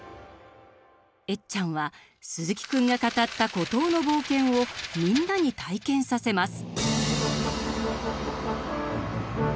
エッちゃんはスズキくんが語った孤島の冒険をみんなに体験させます。